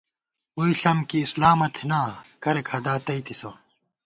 ووئی ݪم کی اسلامہ تھنا، کرېک ہَدا تَئیتِسہ